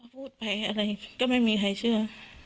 พูดไปอะไรก็ไม่มีใครเชื่อ